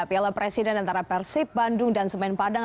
piala presiden antara persib bandung dan semen padang